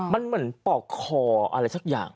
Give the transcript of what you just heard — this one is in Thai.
มันเหมือนปอกคออะไรสักอย่าง